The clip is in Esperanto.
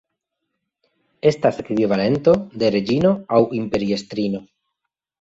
Estas ekvivalento de "reĝino" aŭ "imperiestrino".